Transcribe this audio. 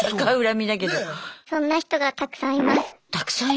そんな人がたくさんいます。